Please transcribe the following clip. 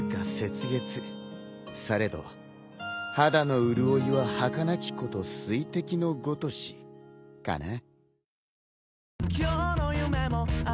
されど肌の潤いははかなきこと水滴のごとしかな？